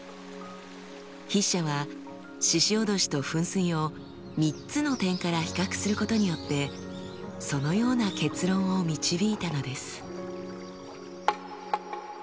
筆者は鹿おどしと噴水を３つの点から比較することによってそのような結論を導いたのです。